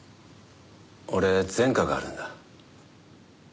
俺前科があるんだ。